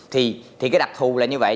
thì cái đặc thù là như vậy